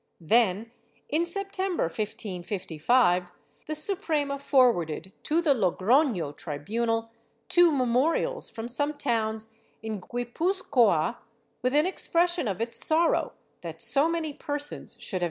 ^ Then, in September, 1555, the Suprema forwarded to the Logrono tribunal two memorials from some towns in Guipuz coa, with an expression of its sorrow that so many persons should ' MSS.